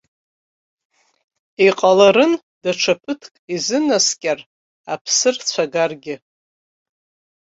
Иҟаларын, даҽа ԥыҭк изынаскьар, аԥсы рцәагаргьы.